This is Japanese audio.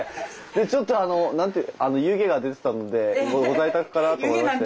ちょっとあの湯気が出てたのでご在宅かなと思いまして。